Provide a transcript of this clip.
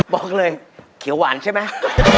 บอกเลยเขียวหวานใช่ไหม